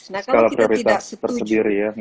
nah kalau kita tidak setuju